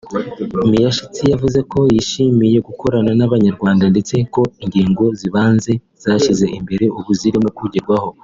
Miyashita yavuze ko yishimiye gukorana n’Abanyarwanda ndetse ko ingingo z’ibanze yashyize imbere ubu zirimo kugerwaho